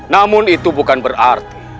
namun itu bukan berarti